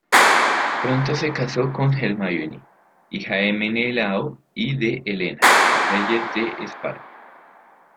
Pronto se casó con Hermíone, hija de Menelao y de Helena, reyes de Esparta.